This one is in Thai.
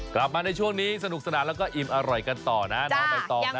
กลับมาในช่วงนี้สนุกสนานแล้วก็อิ่มอร่อยกันต่อนะน้องใบตองนะ